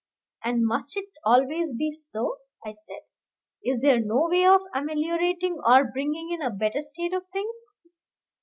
"And must it always be so?" I said. "Is there no way of ameliorating or bringing in a better state of things?"